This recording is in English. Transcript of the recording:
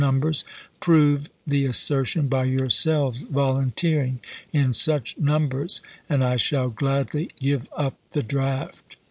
numbers, prove the assertion by yourselves volun teering in such numbers, and I shall gladly give up the draft.